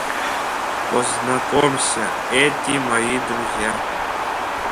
Познакомсиа, ети мои друзиа.